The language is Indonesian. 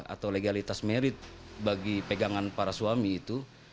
atau legalitas merit bagi pegangan para suami itu